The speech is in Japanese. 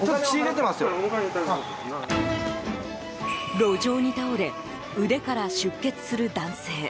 路上に倒れ腕から出血する男性。